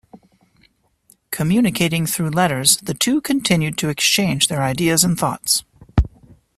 Communicating through letters, the two continued to exchange their ideas and thoughts.